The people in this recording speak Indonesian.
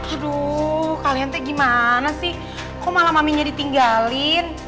aduh kalian teh gimana sih kok malah maminya ditinggalin